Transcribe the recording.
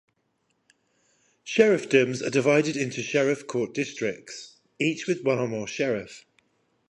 Sheriffdoms are divided into Sheriff Court Districts, each with one or more sheriff.